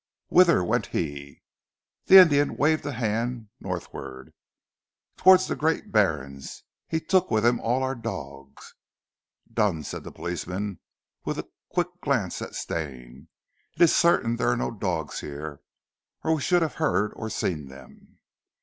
"Whither went he?" The Indian waved his hand northward. "Towards the Great Barrens. He took with him all our dogs." "Done!" said the policeman with a quick glance at Stane. "It is certain there are no dogs here, or we should have heard or seen them."